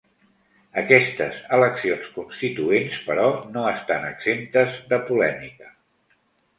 Aquestes eleccions constituents, però, no estan exemptes de polèmica.